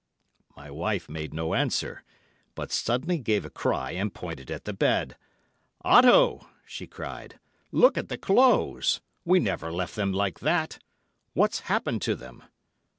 My wife made no answer, but suddenly gave a cry and pointed at the bed. 'Otto!' she cried. 'Look at the clothes! We never left them like that. What's happened to them?